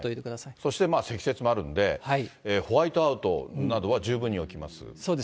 そして積雪もあるんで、ホワイトアウトなどは十分に起きます。